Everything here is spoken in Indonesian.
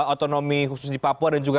otonomi khusus di papua dan juga